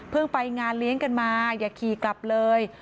ไปงานเลี้ยงกันมาอย่าขี่กลับเลย